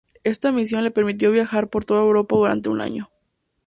Esta misión le permitió viajar por toda Europa durante un año.